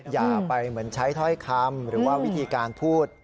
อย่าไปเหมือนใช้ถ้อยคำหรือว่าวิธีการพูด